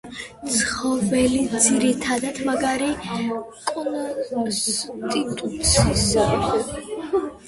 ცხოველი ძირითადად მაგარი კონსტიტუციისაა.